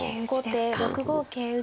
後手６五桂打。